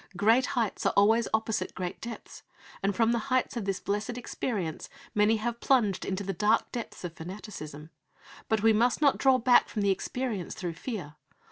Great heights are always opposite great depths, and from the heights of this blessed experience many have plunged into the dark depths of fanaticism. But we must not draw back from the experience through fear.